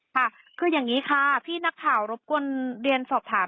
ค่ะคืออย่างนี้ค่ะพี่นักข่าวรบกวนเรียนสอบถาม